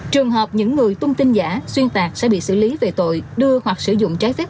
trường hợp những người tung tin giả xuyên tạc sẽ bị xử lý về tội đưa hoặc sử dụng trái phép